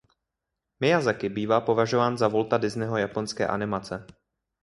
Mijazaki bývá považován za Walta Disneyho japonské animace.